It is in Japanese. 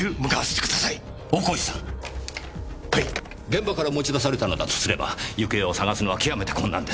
現場から持ち出されたのだとすれば行方を捜すのは極めて困難です。